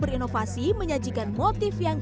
tadi aku bisa bagi teman teman mbak